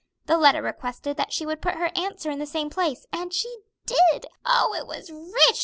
The letter requested that she would put her answer in the same place, and she did. Oh, it was rich!